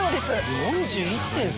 ４１．３！